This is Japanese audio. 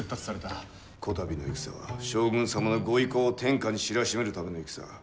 こたびの戦は将軍様のご威光を天下に知らしめるための戦。